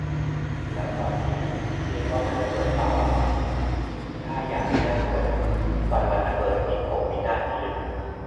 แล้วตอนนี้เรียกว่ามันระเบิดป่าวอ่ะ ถ้ายังนี่น่ากลัวนะ ตอนมันระเบิดนี้คงวินาศพิลึก